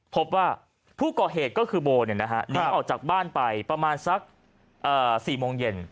พบว่าผู้ก่อเหตุก็คือโบหนีออกจากบ้านไปประมาณสัก๔โมงเย็น